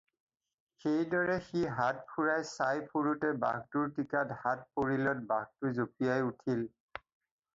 সেইদৰে সি হাত ফুৰাই চাই ফুৰোতে বাঘটোৰ টিকাত হাত পৰিলত বাঘটো জপিয়াই উঠিল।